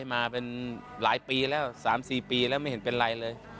มาเป็นหลายปีแล้ว๓๔ปีแล้วไม่เห็นเป็นไรเลย